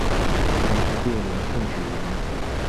同治六年中举人。